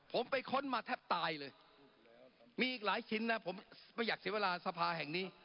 ผมไปค้นมาแทบตายเลยมีอีกหลายชิ้นนะผมไม่อยากเสียเวลาสภาแห่งนี้